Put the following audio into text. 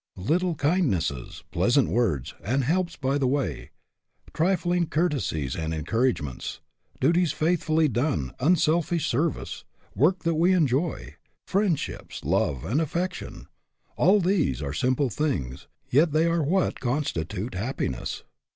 Little kindnesses, pleasant words, and helps by the way ; trifling courte sies and encouragements; duties faithfully done, unselfish service, work that we enjoy; friendships, love, and affection all these are simple things, yet they are what constitute happiness.